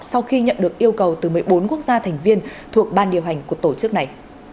sau khi nhận được yêu cầu từ một mươi bốn quốc gia thành viên thuộc ban điều hành của tổ chức này